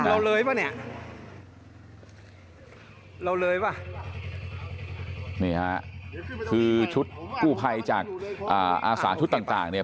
เราเลยป่ะเนี่ยเราเลยป่ะนี่ฮะคือชุดกู้ภัยจากอ่าอาสาชุดต่างต่างเนี่ย